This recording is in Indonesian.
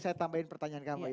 saya tambahin pertanyaan kamu